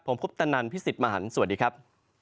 ผมคุปตนันพี่สิทธิ์มหันฯสวัสดีครับ